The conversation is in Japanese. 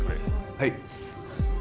はい。